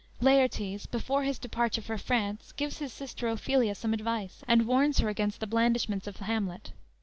"_ Laertes before his departure for France gives his sister Ophelia some advice and warns her against the blandishments of Hamlet.